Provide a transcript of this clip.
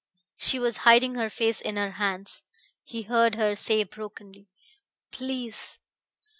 She was hiding her face in her hands. He heard her say brokenly: "Please